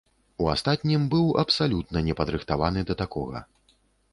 У астатнім быў абсалютна не падрыхтаваны да такога.